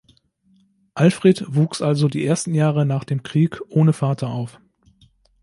Alfred wuchs also die ersten Jahre nach dem Krieg ohne Vater auf.